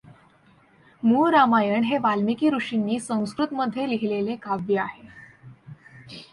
मूळ रामायण हे वाल्मीकी ऋषींनी संस्कृतमध्ये लिहिलेले काव्य आहे.